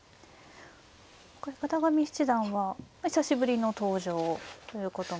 片上七段は久しぶりの登場ということもあって。